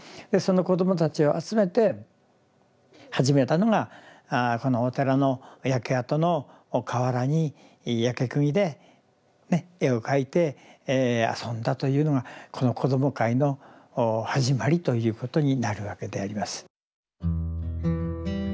でその子どもたちを集めて始めたのがこのお寺の焼け跡の瓦に焼けくぎで絵を描いて遊んだというのがこの子ども会の始まりということになるわけであります。